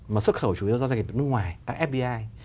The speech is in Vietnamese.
mà xuất khẩu chủ yếu do doanh nghiệp nước ngoài các fbi